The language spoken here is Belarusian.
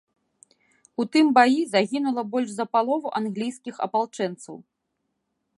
У тым баі загінула больш за палову англійскіх апалчэнцаў.